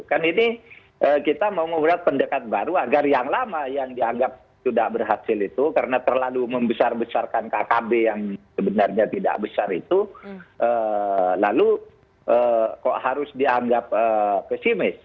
kan ini kita mau membuat pendekat baru agar yang lama yang dianggap sudah berhasil itu karena terlalu membesar besarkan kkb yang sebenarnya tidak besar itu lalu kok harus dianggap pesimis